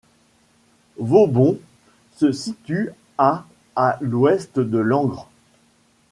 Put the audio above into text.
Vauxbons se situe à à l'ouest de Langres.